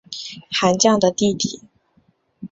韩绛的弟弟。